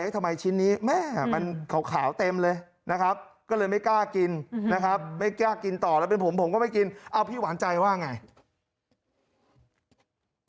ผมก็ไม่กินเอ้าพี่หวานใจว่าไง